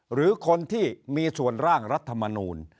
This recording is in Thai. หรือคนที่มีส่วนร่างรัฐมนูล